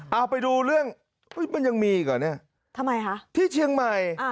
เอาไปดูเรื่องอุ๊ยมันยังมีอีกหว่ะเนี่ยทำไมหะที่เชียงใหม่อือ